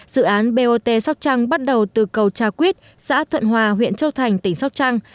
dự án bot sóc trăng bắt đầu từ cầu trà quyết xã thuận hòa huyện châu thành tỉnh sóc trăng